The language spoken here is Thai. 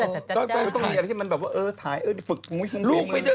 ก็ต้องมีอะไรที่มันแบบว่าเออถ่ายฝึกลูกไม่ได้